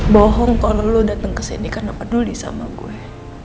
bohong kalau lo dateng kesini kenapa duly sama gue